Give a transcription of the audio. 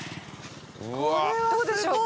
どうでしょう？